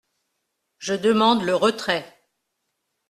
Je demande le retrait.